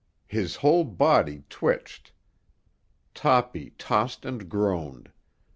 His whole body twitched. Toppy tossed and groaned.